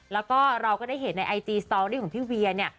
แล้วก็เราก็ได้เห็นในไอจีสตอรี่ของพี่เวียเนี่ย